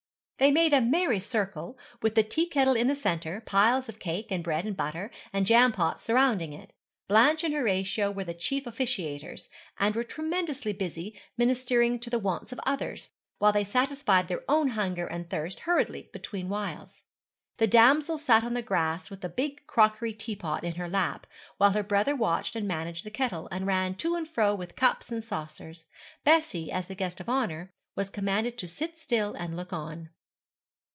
They made a merry circle, with the tea kettle in the centre, piles of cake, and bread and butter, and jam pots surrounding it. Blanche and Horatio were the chief officiators, and were tremendously busy ministering to the wants of others, while they satisfied their own hunger and thirst hurriedly between whiles. The damsel sat on the grass with a big crockery teapot in her lap, while her brother watched and managed the kettle, and ran to and fro with cups and saucers. Bessie, as the guest of honour, was commanded to sit still and look on.